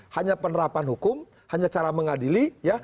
hanya penerapan hukum hanya cara mengadili